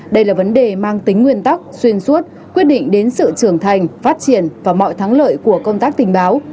đây là vấn đề mang tính nguyên tắc xuyên suốt quyết định đến sự trưởng thành phát triển và mọi thắng lợi của công tác tình báo